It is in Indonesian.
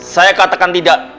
saya katakan tidak